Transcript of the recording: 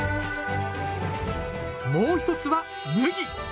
もう一つは麦。